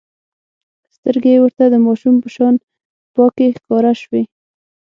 سترګې يې ورته د ماشوم په شان پاکې ښکاره شوې.